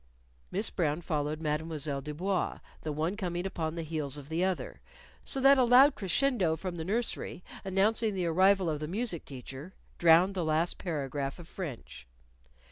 _" Miss Brown followed Mademoiselle Du Bois, the one coming upon the heels of the other; so that a loud crescendo from the nursery, announcing the arrival of the music teacher, drowned the last paragraph of French.